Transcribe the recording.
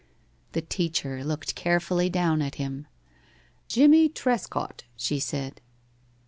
The teacher looked carefully down at him. "Jimmie Trescott," she said.